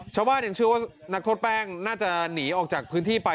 ชาวบ้านยังเชื่อว่านักโทษแป้งน่าจะหนีออกจากพื้นที่ไป